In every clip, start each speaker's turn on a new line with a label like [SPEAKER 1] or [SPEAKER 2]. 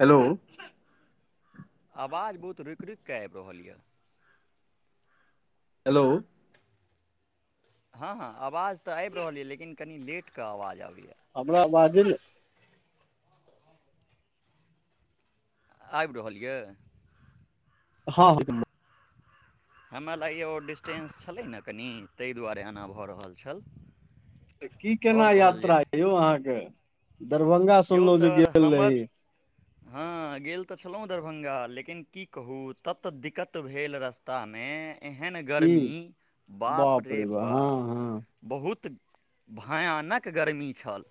[SPEAKER 1] hello
[SPEAKER 2] आवाज बहुत रुकि रुकििकऽ आबि रहल यए
[SPEAKER 1] हेलो
[SPEAKER 2] हँ हँ आवाज तऽ आबि रहल यए लेकिन कनि लेट के आवाज आबै
[SPEAKER 1] हमरा बाजिल
[SPEAKER 2] आबि रहल यए
[SPEAKER 1] हँ हुकुम
[SPEAKER 2] हमरा लागैए ओ डिस्टेंस छलै ने कनि ताहि दुआरे एना भऽ रहल छल
[SPEAKER 1] तऽ की केना
[SPEAKER 2] आओर कहल
[SPEAKER 1] यात्रा
[SPEAKER 2] जाय
[SPEAKER 1] य यौ अहाँके दरभंगा
[SPEAKER 2] यौ
[SPEAKER 1] सुनलउ जे
[SPEAKER 2] सर
[SPEAKER 1] गेल रही
[SPEAKER 2] हमर हँ गेल तऽ छलहुँ दरभंगा लेकिन की कहू तत दिक्कत भेल रस्ता में एहन
[SPEAKER 1] की
[SPEAKER 2] गर्मी बाप रे बा बहुत भयानक गर्मी छल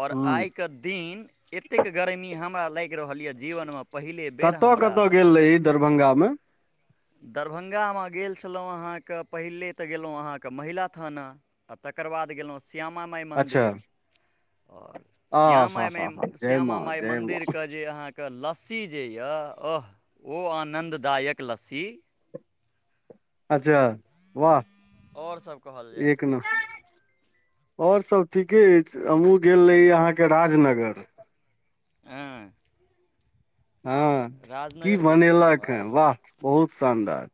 [SPEAKER 2] ओर
[SPEAKER 1] हँ ह
[SPEAKER 2] आइ दिन एतेक गरमी हमरा लागि रहल यऽ जीवन म पहिले बेर
[SPEAKER 1] कतऽ
[SPEAKER 2] हमरा
[SPEAKER 1] कतऽ गेल रही दरभंगा मे
[SPEAKER 2] दरभंगाम गेल छलहुँ अहाँक पहिले तऽ गेलअउ अहाँके महिला थाना आ तख तकर बाद गेलअउ श्यामा माइ
[SPEAKER 1] अच्छा
[SPEAKER 2] मन्दिर ओर
[SPEAKER 1] आ हा
[SPEAKER 2] श्यामा मे
[SPEAKER 1] हा हा जय
[SPEAKER 2] श्यामा
[SPEAKER 1] माँ
[SPEAKER 2] माइ
[SPEAKER 1] जय
[SPEAKER 2] मन्दिर
[SPEAKER 1] माँ
[SPEAKER 2] क जे अहाँ क लस्सी जे यह् अह ओ आनददायक लस्सी की
[SPEAKER 1] अच्छा वाह
[SPEAKER 2] ओरसब कहल जाय
[SPEAKER 1] ओर सब ठीके अछि हमहूँ गेल रही आहाँके राजनगर
[SPEAKER 2] हँ [unintelligible]
[SPEAKER 1] हँ की
[SPEAKER 2] राजनगर गेल छलहुँ
[SPEAKER 1] बनेलक हैं
[SPEAKER 2] आइ
[SPEAKER 1] वाह बहुत शानदार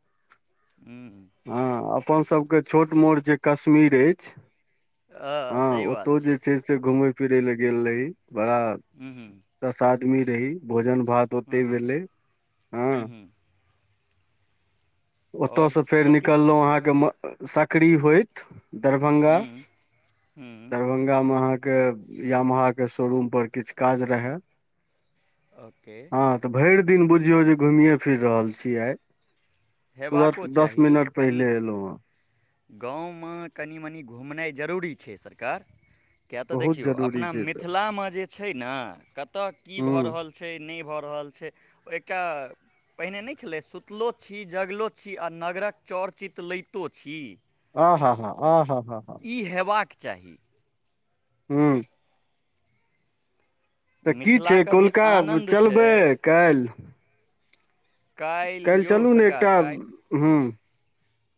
[SPEAKER 2] हुँ
[SPEAKER 1] हँ अपनसभके छोट मोट जे कश्मीर अईछ हँ ओतौ जे छै से घुमय फिरै लए गेल रही बड़ा
[SPEAKER 2] हुँ हुँ
[SPEAKER 1] दस आदमी रही भोजन भात
[SPEAKER 2] हुँ
[SPEAKER 1] ओते
[SPEAKER 2] हुँ
[SPEAKER 1] भेलै हँ
[SPEAKER 2] हुँ हुँ
[SPEAKER 1] ओतअ
[SPEAKER 2] आओर
[SPEAKER 1] सँ फेर
[SPEAKER 2] सबकिछु
[SPEAKER 1] निकललऊ अहाँके म सकरी होइत दरभंगा
[SPEAKER 2] हुँ हुँ
[SPEAKER 1] दरभंगा मे आहा के यमहा के शोरूम पर किछ काज रहै
[SPEAKER 2] ओके
[SPEAKER 1] हँ तऽ भइर दिन बुझियौ जे घुमिए फिर रहल छियै आइ तुरत
[SPEAKER 2] हेबाको
[SPEAKER 1] दस
[SPEAKER 2] चाही ई
[SPEAKER 1] मिनट
[SPEAKER 2] कनि
[SPEAKER 1] पहिले एलहुँ हँ
[SPEAKER 2] गाँव म कनि मनि घुमनाइ जरूरी छै छै सरकार किया तऽ
[SPEAKER 1] बहुत
[SPEAKER 2] देखियौ
[SPEAKER 1] जरूरी
[SPEAKER 2] अपना
[SPEAKER 1] छै तऽ
[SPEAKER 2] मिथिला म जे छै ने कता की भऽ
[SPEAKER 1] हूँ
[SPEAKER 2] रहल छै नई भऽ रहल छै एक टा पेहने नई छेलै सुत्लो छी जगलो छी आ नगरक चौरचित्रलैतो छी
[SPEAKER 1] ह ह हँ ह हँ [unintelligible]
[SPEAKER 2] ई हेबाक चाही
[SPEAKER 1] ह्म तऽ की छै
[SPEAKER 2] मिथिलाके जे
[SPEAKER 1] कोलका
[SPEAKER 2] आनन्द छै
[SPEAKER 1] चलबै कऽईल
[SPEAKER 2] काल्हि
[SPEAKER 1] काल्ह
[SPEAKER 2] यौ
[SPEAKER 1] चलू ने एकटा
[SPEAKER 2] सरकार काल्हि
[SPEAKER 1] हँ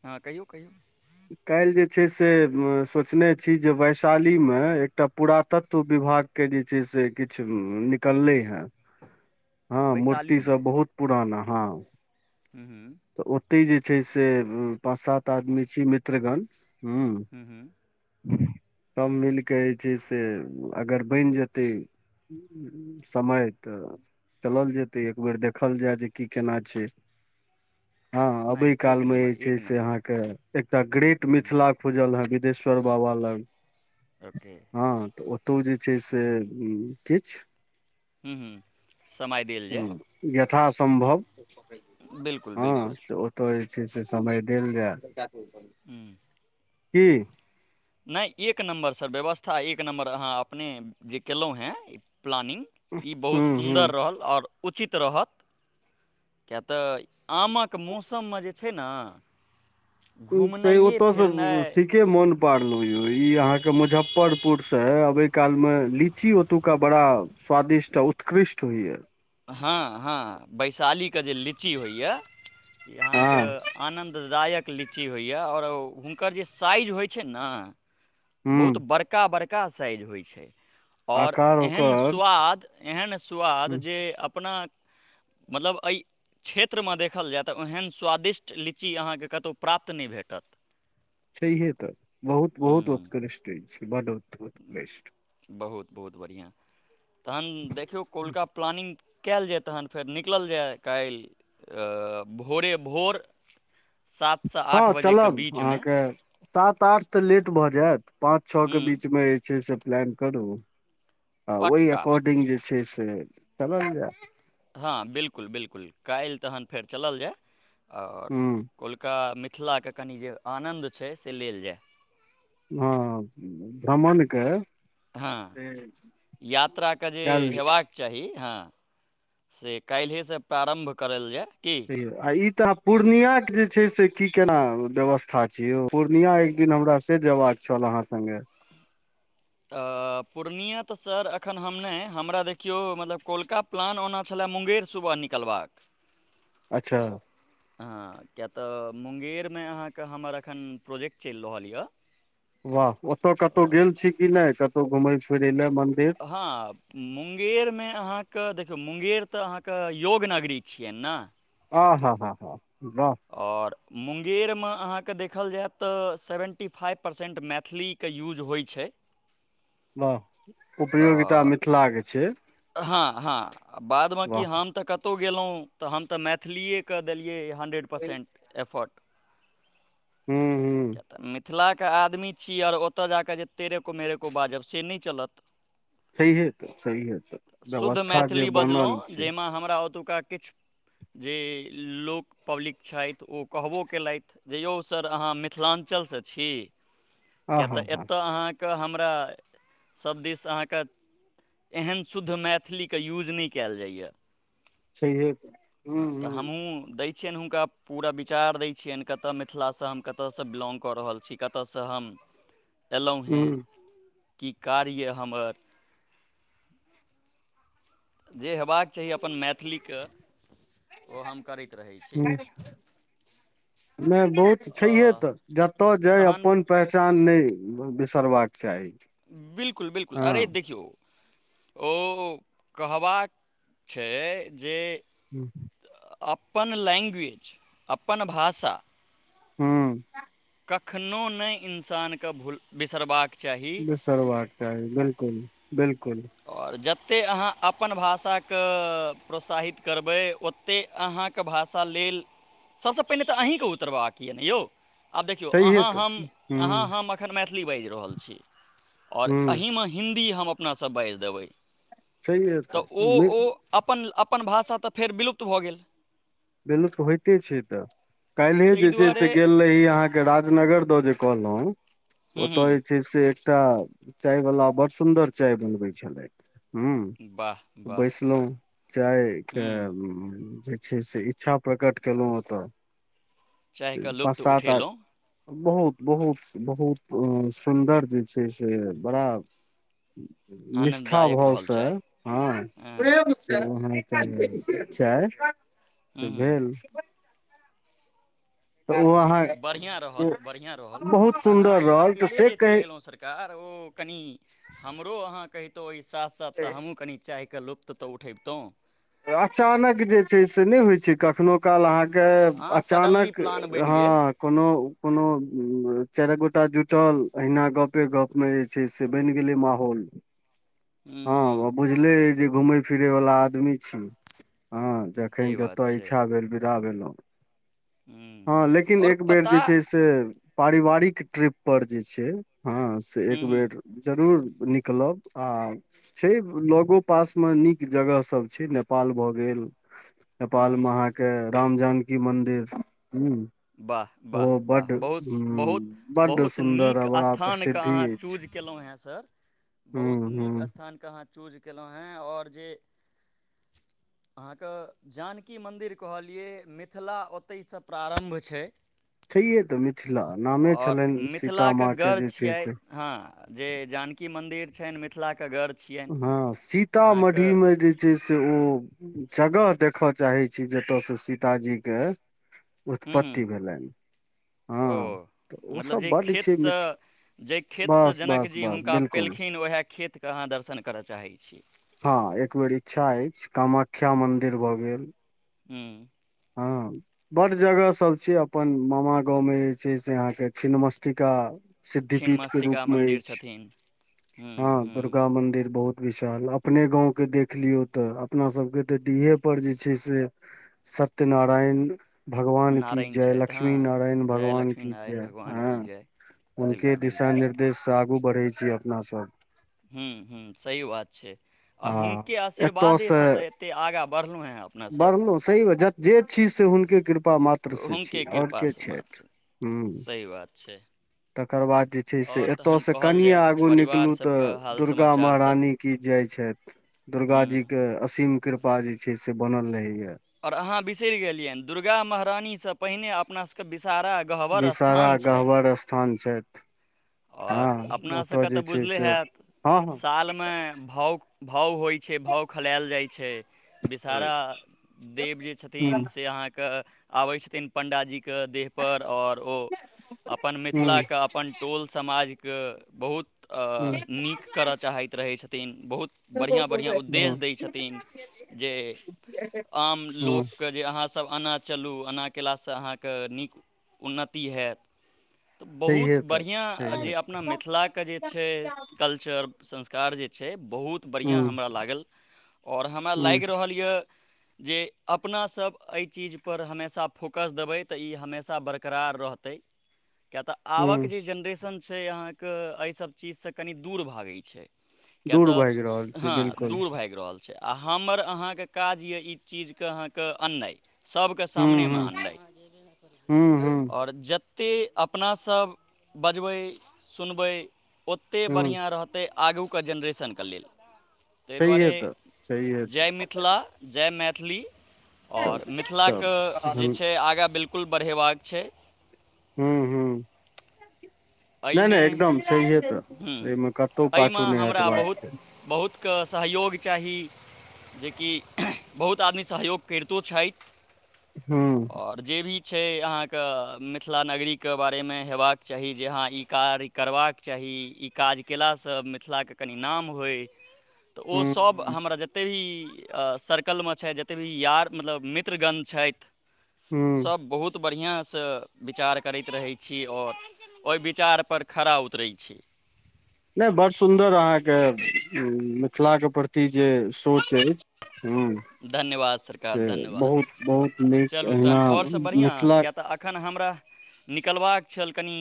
[SPEAKER 2] हँ कहियौ कहियौ
[SPEAKER 1] काएल जे छै से सोचने छी जे वैशाली में एकटा पुरातत्व विभाग के जे छै से किछ निकललै हैं
[SPEAKER 2] ह [inaudible]
[SPEAKER 1] हँ मूर्तिसब बहुत पुराना हँ
[SPEAKER 2] हुँ
[SPEAKER 1] तऽ ओतई जे छै से पाँच सात आदमी छी मित्रगण
[SPEAKER 2] ह्म हँ
[SPEAKER 1] सभ मिलि कऽ जे छै से अगर बइन जेतै समय तऽ चलल जेतै एक बेर देखल जाय जे की केना छै हँ
[SPEAKER 2] नहि
[SPEAKER 1] अबई
[SPEAKER 2] एक
[SPEAKER 1] कालमे
[SPEAKER 2] नम्बर
[SPEAKER 1] छै
[SPEAKER 2] एक
[SPEAKER 1] से
[SPEAKER 2] नम्बर
[SPEAKER 1] अहाँके एकटा ग्रेट मिथिला खुजल हेँ सिधेश्वर बाबा लग
[SPEAKER 2] ओके
[SPEAKER 1] उतो जे छै से किछ
[SPEAKER 2] ह्म ह्म समय देल जाय
[SPEAKER 1] हँ यथासम्भव
[SPEAKER 2] बिलकुल बिल्कुल
[SPEAKER 1] हँ से ओतय जे छै से समय देल जाय
[SPEAKER 2] ह्म
[SPEAKER 1] की
[SPEAKER 2] नहि एक नम्बर सर व्यवस्था एक नम्बर अहाँ अपने जे केलहुँ हेँ प्लानि्ग ई बहुत
[SPEAKER 1] हूँ
[SPEAKER 2] सुन्दर
[SPEAKER 1] हूँ
[SPEAKER 2] रहल आओर उचित रहत किएक तऽ आमक मौसममे जे छै ने
[SPEAKER 1] से
[SPEAKER 2] घुमनाइए
[SPEAKER 1] ओतऽसँ
[SPEAKER 2] फिरनाइ
[SPEAKER 1] ठीके मोन पड़
[SPEAKER 2] [inaudible]
[SPEAKER 1] ई अहाँ के मुजफ्फरपुर से अबे काल में लीची ओतुका बड़ा स्वादिष्ट उत्कृष्ट हइए
[SPEAKER 2] हँ हँ बैशालीके जे लीची होइए यहाँके
[SPEAKER 1] हँ
[SPEAKER 2] आनन्ददायक लीची होइय आओर हुनकर जे साइज होइ छै ने बहुत
[SPEAKER 1] हूँ
[SPEAKER 2] बड़का बड़का कका साइज होइ छै आओर
[SPEAKER 1] आकार
[SPEAKER 2] एहन
[SPEAKER 1] ओकर
[SPEAKER 2] स्वाद एहन स्वाद
[SPEAKER 1] हूँ,
[SPEAKER 2] जे अपना मतलब एहि क्षेत्रमे देखल जाय तऽ ओहन स्वादिष्ट लीची अहाँके कतहु प्राप्त नहि भेटत
[SPEAKER 1] छैहे तऽ बहुत बहुत वक
[SPEAKER 2] हूँ
[SPEAKER 1] कनिष्टे छै ब
[SPEAKER 2] बहुत बहुत बढ़िआँ तहन देखियौ कोलका प्लानिंग कयल जाय तखन फेर निकलल जाय काल्हि भोरे भोर सातसँ आठ
[SPEAKER 1] हँ
[SPEAKER 2] बजेके
[SPEAKER 1] चलब
[SPEAKER 2] बीचमे
[SPEAKER 1] अहाँके सात आठ तऽ लेट भऽ जायत पाँच छओके
[SPEAKER 2] हूँ
[SPEAKER 1] बीचमे जे छै से प्लान करू आ ओहि
[SPEAKER 2] पक्का
[SPEAKER 1] एकॉर्डिंग जे छै से चलल जाय
[SPEAKER 2] हँ बिलकुल बिलकुल काल्हि तखन फेर चलल जाय आओर
[SPEAKER 1] ह
[SPEAKER 2] कोलका मिथिलाके कनि जे आनन्द छै से लेल जाय
[SPEAKER 1] हँ प्रामणिक
[SPEAKER 2] हँ यात्राके जे
[SPEAKER 1] कयल
[SPEAKER 2] हेबाक चाही हँ से काल्हे से प्रारम्भ करल जाय की
[SPEAKER 1] से आ ई त पूर्णिया के जे छै से की केना व्यवस्था छै यौ पूर्णिया एक दिन हमरा से जेया चल अहाँ सङ्े
[SPEAKER 2] [inaudible] त पूर्णिया तऽ सर अखन हम नहि हमरा देखियौ मतलब कोलका प्लान ओना छल मुंगेर सुबह निकलबा
[SPEAKER 1] अच्छा
[SPEAKER 2] क मुंगेरमे अहाँके हमर एखन प्रोजेक्ट चलि रहल यऽ
[SPEAKER 1] तऽ घुम फिरा
[SPEAKER 2] हँ मुंगेरमे अहाँके देखियौ मुंगेर तऽ अहाँके योग नगरी छियनि ने
[SPEAKER 1] आ हँ हँ हँ
[SPEAKER 2] आओर मुंगेरमे अहाँके देखल जाय तऽ सेवेन्टी फाइव परसेन्ट मैथिलीके यूज होइ छै [inaudible]
[SPEAKER 1] वाह उपियोगिता
[SPEAKER 2] तऽ
[SPEAKER 1] मिथिलाक के छै
[SPEAKER 2] हँ हँ बादमे किी
[SPEAKER 1] वाह
[SPEAKER 2] हम तऽ कतहु गेलहुँ तऽ हम तऽ मैथिलीएकेऽ देलियै ये हन्ड्रेड परर्सेट एफर्ट
[SPEAKER 1] हूँ हूँ
[SPEAKER 2] [inaudible] मिथिलाके आदमी छी आओर ओतय जााकऽ जे तेरेेको मेरेेको बाजब से नहि चलत
[SPEAKER 1] सह होेत सह होेत
[SPEAKER 2] शुद्ध मैथिली बजलहुँ जाहिमे हमरा ओतुका किछु जे लोक पब्लिक छथि ओ कहबो कयेलथि जे यौ सर अहाँ मिथिलाञ्चल चल स छि
[SPEAKER 1] आ
[SPEAKER 2] किया
[SPEAKER 1] हा
[SPEAKER 2] ते
[SPEAKER 1] हा
[SPEAKER 2] एतै अहाँ क हमरा समाधि से अहाँ के एहेन शुद्ध मैथिलीके यूज नै कयल जाइए
[SPEAKER 1] से ह
[SPEAKER 2] हँ तऽ
[SPEAKER 1] ह
[SPEAKER 2] हमहूँ दै छियनि हुनका पूरा विचार दै छियनि कतय मिथिलासँ हम कतयसँ बिलोग कऽ रहल छी कतयसँ हम एयलहुँ
[SPEAKER 1] हूँ
[SPEAKER 2] हेँ
[SPEAKER 1] हूँ
[SPEAKER 2] की कार्य य हमर जे हेबाक चाही अपन मैथिलीके ओ हम करैत रहै छी
[SPEAKER 1] नहि बहुत
[SPEAKER 2] आ
[SPEAKER 1] छैहे तऽ जतय जाय
[SPEAKER 2] तहन
[SPEAKER 1] अपन पहचान नै बिसरबाक चाही
[SPEAKER 2] बिलकुल बिलकुल अरे
[SPEAKER 1] हँ
[SPEAKER 2] देखियौ ओ कहबाक छै जे
[SPEAKER 1] ह्म
[SPEAKER 2] अपन लैंग्वेज अपन भाषा
[SPEAKER 1] हू [unintelligible]
[SPEAKER 2] कखनो नहि इन्सानके भूल बिसरबाक चाही
[SPEAKER 1] सर बात च बिलकुल बिलकुल
[SPEAKER 2] जते अहाँ अपन भाषाक के प्रोत्साहित करबै ओते अहाँके भाषा ल त सभसँ पहिने तऽ अहीँके उतरबाक यऽ ने यौ आब देखियौ
[SPEAKER 1] छैहे
[SPEAKER 2] अहाँ हम
[SPEAKER 1] तऽ
[SPEAKER 2] अहाँ
[SPEAKER 1] हूँ
[SPEAKER 2] हम एखन मैथिली बाज रहल छी ओर
[SPEAKER 1] हूँ
[SPEAKER 2] एहिमे हिन्दी हम अपनासँ बाजि देबै
[SPEAKER 1] छैहे
[SPEAKER 2] तऽ ओ
[SPEAKER 1] नहि
[SPEAKER 2] ओ अपन अपन भाषा तऽ फेर विलुप्त भऽ गेल
[SPEAKER 1] बिलु त होइते छै तऽ काल्हिए
[SPEAKER 2] ताहि
[SPEAKER 1] जे छै
[SPEAKER 2] दुआरे
[SPEAKER 1] से गेल रही अहाँके राजनगर दऽ जे कहलहुँ
[SPEAKER 2] हूँ
[SPEAKER 1] ओतऽ जे
[SPEAKER 2] हूँ
[SPEAKER 1] छै से एकटा चाय वला बड़ सुन्दर चाय बनबै छलथि हूँ
[SPEAKER 2] वाह वाह
[SPEAKER 1] बैसलहुँ चायके
[SPEAKER 2] हूँ
[SPEAKER 1] जे छै से इच्छा प्रकट केलहुँ ओतऽ
[SPEAKER 2] चाहि कऽ
[SPEAKER 1] पाँच
[SPEAKER 2] लुप्त
[SPEAKER 1] सात आ
[SPEAKER 2] उठेलहुँ
[SPEAKER 1] बहुत बहुत बहुत सुन्दर जे छै से बड़ा निष्ठा
[SPEAKER 2] आनन्ददायक रहल
[SPEAKER 1] भावसँ
[SPEAKER 2] चाय
[SPEAKER 1] हँ ह चाय
[SPEAKER 2] हूँ हूँ
[SPEAKER 1] भेल तऽ ओ अहाँ
[SPEAKER 2] बढ़िआँ रहल बढ़िआँ रहल
[SPEAKER 1] बहुत सुन्दर रहल तऽ से कहै
[SPEAKER 2] कनी हमरो अहाँ कहतो आय साफ साफ त हमु कनि चाय लुप्त तऽ उठै तौ
[SPEAKER 1] अचानक जे छै से नहि होइ छै कखनो काल अहाँके क
[SPEAKER 2] अहाँ सडनली
[SPEAKER 1] अचानक
[SPEAKER 2] प्लान बनि
[SPEAKER 1] हा
[SPEAKER 2] गेल
[SPEAKER 1] कोनो कोनो चा सभटा जुटल अहिना गपे गप मे जे छै से बनि गेलै माहौल
[SPEAKER 2] हूँ
[SPEAKER 1] हँ आ
[SPEAKER 2] हूँ
[SPEAKER 1] बुझले जे घूमेय फिरैवला आदमी छि हँ जखन
[SPEAKER 2] सही बात
[SPEAKER 1] जतऽ
[SPEAKER 2] छै
[SPEAKER 1] इच्छा भेल विदा भेलो
[SPEAKER 2] हूँ
[SPEAKER 1] हँ लेकिन
[SPEAKER 2] आओर
[SPEAKER 1] एक बेर
[SPEAKER 2] पता
[SPEAKER 1] जे छै से पारिवारिक ट्रिप पर जे छै हँ से एक
[SPEAKER 2] हूँ हूँ
[SPEAKER 1] बेर जरूर निकलब आ छै लगो पास मे नीक जगह सब छै नेपाल भऽ गेल नेपाल
[SPEAKER 2] हँ
[SPEAKER 1] मे अहाँके राम जानकी मंन्दिर हू
[SPEAKER 2] वाह वाह वाह बहुत बहुत
[SPEAKER 1] बड्ड
[SPEAKER 2] बहुत
[SPEAKER 1] सुन्दर
[SPEAKER 2] नीक
[SPEAKER 1] आ बड़ा
[SPEAKER 2] स्थानके
[SPEAKER 1] प्रसिद्धि
[SPEAKER 2] अहाँ
[SPEAKER 1] अछि
[SPEAKER 2] चूज केलहुँ लौं हें सर
[SPEAKER 1] हूँ
[SPEAKER 2] बहुत नीक
[SPEAKER 1] हूँ
[SPEAKER 2] स्थान के अहाँ चुज केलो हें और जे अहाँके जानकी मन्दिर कहलिए मिथिला ओतहिसँ प्रारम्भ छै
[SPEAKER 1] छैहे तऽ मिथिला नामे
[SPEAKER 2] आओर
[SPEAKER 1] छलनि
[SPEAKER 2] मिथिला
[SPEAKER 1] सीता
[SPEAKER 2] के
[SPEAKER 1] माँ
[SPEAKER 2] गढ़
[SPEAKER 1] जे छै
[SPEAKER 2] छिये
[SPEAKER 1] से
[SPEAKER 2] हँ जे जानकी मंदिर छैन मिथिला के गढ़ छियनि
[SPEAKER 1] हँ
[SPEAKER 2] अहाँके
[SPEAKER 1] सीतामढ़ीमे जे छै से ओ जगह देखऽ चाहै छी जतय से सीताजी के
[SPEAKER 2] हूँ हूँ
[SPEAKER 1] उत्पत्ति भेलनि
[SPEAKER 2] ओ
[SPEAKER 1] हँ तऽ
[SPEAKER 2] मतलब
[SPEAKER 1] ओसभ
[SPEAKER 2] जै
[SPEAKER 1] बड्ड छै
[SPEAKER 2] खेतसँ
[SPEAKER 1] मिथ
[SPEAKER 2] जाहि खेतसँ
[SPEAKER 1] बस बस
[SPEAKER 2] जनकजी
[SPEAKER 1] बस
[SPEAKER 2] हुनका
[SPEAKER 1] बिलकुल
[SPEAKER 2] पयेलखिन उएह खेतकेँ अहाँ दर्शन करय चाहै छी
[SPEAKER 1] हँ एक बेर इच्छा अछि कामाख्या मन्दिर भऽ गेल
[SPEAKER 2] हूँ
[SPEAKER 1] हँ बड्ड जगह सभ छै अपन मामा गाँवमे जे छै से अहाँके छिन्नमस्तिका
[SPEAKER 2] छिन्न
[SPEAKER 1] सिद्धिपीठ के
[SPEAKER 2] मस्तिका
[SPEAKER 1] रूप मे
[SPEAKER 2] मन्दिर
[SPEAKER 1] अछि
[SPEAKER 2] छथिन हूँ
[SPEAKER 1] हँ
[SPEAKER 2] हूँ
[SPEAKER 1] दुर्गा मंदिर बहुत विशाल अपने गाँंव के देख लियौ तऽ अपना सबके तऽ डीहे पर जे छै से सत्त सत्य नारायण भगवान की
[SPEAKER 2] नारायण
[SPEAKER 1] जय
[SPEAKER 2] छथि
[SPEAKER 1] लक्ष्मी
[SPEAKER 2] हँ
[SPEAKER 1] नारायण
[SPEAKER 2] जय
[SPEAKER 1] भगवान
[SPEAKER 2] लक्ष्मी
[SPEAKER 1] की
[SPEAKER 2] नारायण
[SPEAKER 1] जय
[SPEAKER 2] भगवान
[SPEAKER 1] हँ
[SPEAKER 2] की जय
[SPEAKER 1] हुनके
[SPEAKER 2] बिल्कुल
[SPEAKER 1] दिशा
[SPEAKER 2] बिल्कुल
[SPEAKER 1] निर्देशसँ आगू बढ़ैत छी अपनासभ
[SPEAKER 2] हूँ हूँ सही बात छै आ हुनके
[SPEAKER 1] एतय से
[SPEAKER 2] आशीर्वादेसँ तऽ एतेक आगाँ बढ़लहुँ हेँ अपनासभ
[SPEAKER 1] बढ़लहुँ जे छी से हुनके कृपा पा मात्र से छी
[SPEAKER 2] हुनके
[SPEAKER 1] आओर के
[SPEAKER 2] कृपासँ
[SPEAKER 1] छथि
[SPEAKER 2] मात्र
[SPEAKER 1] हूँ
[SPEAKER 2] सही बात छै
[SPEAKER 1] एकर बाद जे छै से
[SPEAKER 2] आओर
[SPEAKER 1] एतए
[SPEAKER 2] तखन
[SPEAKER 1] से
[SPEAKER 2] कहल
[SPEAKER 1] कनिये
[SPEAKER 2] जाय
[SPEAKER 1] आगू
[SPEAKER 2] परिवार
[SPEAKER 1] निकलु तऽ
[SPEAKER 2] सभके हाल
[SPEAKER 1] दुर्गा
[SPEAKER 2] समाचार सभ
[SPEAKER 1] महारानी की जय छै
[SPEAKER 2] हूँ
[SPEAKER 1] दुर्गा जी के असीम कृपा जे छै से बनल रहेया
[SPEAKER 2] आओर अहाँ बिसरि गेलियनि दुर्गा महरानीसँ पहिने अपना सभके बि सारा गहबर
[SPEAKER 1] विषहारा
[SPEAKER 2] स्थान छै
[SPEAKER 1] गहवर स्थान छथि
[SPEAKER 2] आओर
[SPEAKER 1] हँ ओतय
[SPEAKER 2] अपनासभके
[SPEAKER 1] जे
[SPEAKER 2] तऽ
[SPEAKER 1] छै
[SPEAKER 2] बुझले
[SPEAKER 1] से
[SPEAKER 2] हैत
[SPEAKER 1] हँ हँ
[SPEAKER 2] सालमे भाउ भाव होइ छै भाव खेलाएल जाइ छै विषारा देव जे छथिन
[SPEAKER 1] हूँ
[SPEAKER 2] से अहाँके आबै छथिन पण्डाजी के देह पर आओर ओ अपन
[SPEAKER 1] हूँ
[SPEAKER 2] मिथिलाके अपन टोल समाज के बहुत
[SPEAKER 1] हूँ
[SPEAKER 2] नीक करय चाहैत रहै छथिन बहुत बढ़ियां बढ़ियां उद्देश्य दै छथिन
[SPEAKER 1] ह [inaudible]
[SPEAKER 2] हम लोक के जे अहा सब एना चलू एना कएलासँ अहाँके नीक उन्नति हैत बहुत
[SPEAKER 1] छैहे तऽ
[SPEAKER 2] बढियां
[SPEAKER 1] छैहे
[SPEAKER 2] जे अपना मिथिलाके जे छै कल्चर संस्कार जे छै बहुत बढियां
[SPEAKER 1] हूँ
[SPEAKER 2] हमरा लागल आओर हमरा
[SPEAKER 1] हूँ
[SPEAKER 2] लागि रहल यऽ जे अपना सब एहि चीजपर हमेशा फोकस देबै तऽ ई हमेशा बरकरार रहतै ह [inaudible] किएक तऽ आबक
[SPEAKER 1] हूँ
[SPEAKER 2] जे जेनरेशन छै अहाँके एहिसभ चीजसँ कनि दूर भागैत छै किए
[SPEAKER 1] दूर
[SPEAKER 2] तऽ
[SPEAKER 1] भागि रहल छै
[SPEAKER 2] हँ
[SPEAKER 1] बिलकुल
[SPEAKER 2] दुर भागि रहल आ हमर अहाँके काज य ई चीजके अहाँके अननाइ सभके
[SPEAKER 1] हूँ
[SPEAKER 2] सामनेमे
[SPEAKER 1] हूँ
[SPEAKER 2] आननाइ
[SPEAKER 1] हूँ हूँ
[SPEAKER 2] आओर जत जतेक अपनास बजबै सुनबै ओतेक
[SPEAKER 1] हूँ
[SPEAKER 2] बढ़ियां रहतै आगूके जेनरेशनके लेल ताहि दुआरे
[SPEAKER 1] छैहे तऽ छैहे तऽ
[SPEAKER 2] जय मिथिला जय मैथिल मैथिली
[SPEAKER 1] चलू
[SPEAKER 2] आओर मिथिलाके जे
[SPEAKER 1] चलू
[SPEAKER 2] छै आगाँ बिलकुल बढ़ेबाक छै
[SPEAKER 1] हूँ हूँ नहि नहि एकदम छैहे तऽ
[SPEAKER 2] ह
[SPEAKER 1] एहिमे कतहु
[SPEAKER 2] एहिमे
[SPEAKER 1] पाछू नहि
[SPEAKER 2] हमरा
[SPEAKER 1] हटबाक
[SPEAKER 2] बहुत
[SPEAKER 1] छै
[SPEAKER 2] बहुतके सहयोग चाही जेकि बहुत आदमी सहयोग करितो छथि
[SPEAKER 1] हूँ
[SPEAKER 2] आओर जे भी छै अहाँके मिथिला नगरीके बारेमे हेबाक चाही जे अहाँ ई कार्य करबाक चाही ई काज कयलासँ मिथिलाके कनि नाम होइ तऽ ओसभ
[SPEAKER 1] हूँ
[SPEAKER 2] हमरा जतेक भी सरकल मे छैय जते भी यार मतलव म्रित्र गण छथि
[SPEAKER 1] हूँ
[SPEAKER 2] सबहुत बढ़िया से विचार करत रहै छी आओ ओहि विचार खारा उतरै छी
[SPEAKER 1] नहि बड़ सुन्दर अहाँके मिथिला के प्रति जे सोच अछि हू [inaudible]
[SPEAKER 2] धन्यवाद सरकार धन्यवाद
[SPEAKER 1] बहुत नीक
[SPEAKER 2] चलू तहन
[SPEAKER 1] अहिना
[SPEAKER 2] आओरसँ बढ़िआँ
[SPEAKER 1] मिथिला
[SPEAKER 2] किए तऽ एखन हमरा निकलबाक छल कनि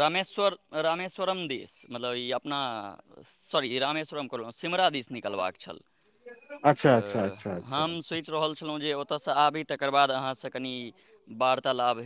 [SPEAKER 2] रमेश्वर रमेश्वरम देस मतलब ई अपना सॉरी र मेश्वरम कहलो सिमरा दिस निकलबाक छल तऽ
[SPEAKER 1] अच्छा अच्छा अच्छा अच्छा
[SPEAKER 2] हम सोचि रहल छलहुँ ओ ओतऽ सँ आबी तकर बाद अहाँसँ कनी वार्तालाप हेत